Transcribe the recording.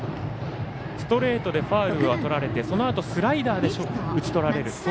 ストレートでファウルはとられてそのあとスライダーで打ち取られる。